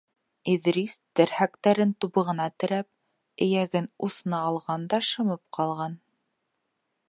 Иҙрис, терһәктәрен тубығына терәп, эйәген усына һалған да шымып ҡалған.